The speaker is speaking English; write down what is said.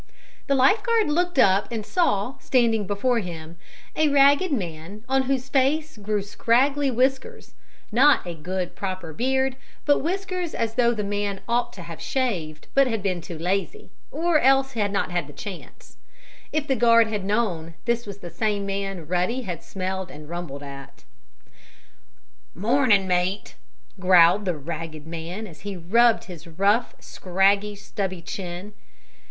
The life guard looked up and saw, standing before him, a ragged man on whose face grew scraggily whiskers not a good, proper beard, but whiskers as though the man ought to have shaved but had been too lazy or else had not had a chance. If the guard had known, this was the same man Ruddy had smelled and rumbled at. "Mornin' mate!" growled the ragged man, as he rubbed his rough, scraggy, stubby chin.